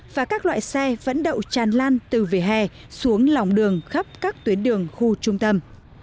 và các loại xe vẫn đậu tràn lan từ vỉa hè xuống lòng đường khắp các tuyến đường khu trung tâm